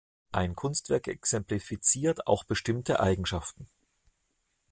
Ein Kunstwerk exemplifiziert auch bestimmte Eigenschaften.